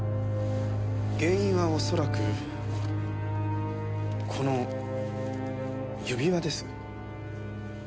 原因は恐らくこの指輪です。